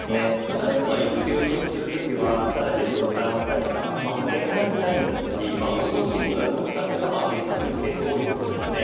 誰かが育休を取得するときは社内で分担をしたりとか派遣社員だったりアウトソーシングなどを使ってカバーしてきたケースが多いと思います。